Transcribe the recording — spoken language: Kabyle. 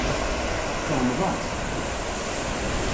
Tfehmeḍ-as?